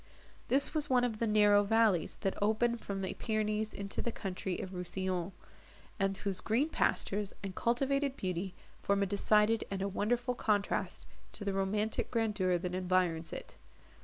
This was one of the narrow valleys, that open from the Pyrenees into the country of Rousillon, and whose green pastures, and cultivated beauty, form a decided and wonderful contrast to the romantic grandeur that environs it.